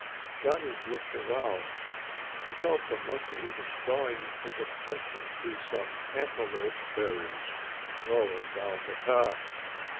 Johnny looked around. He thought the monkey was drawing his attention to some antelope berries growing down the path.